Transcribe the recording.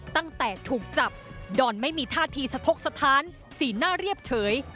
ตั้งแต่ถูกจับดอนไม่มีท่าทีสะทกสถานสีหน้าเรียบเฉย